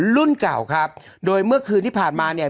รุ่นเก่าครับโดยเมื่อคืนที่ผ่านมาเนี่ย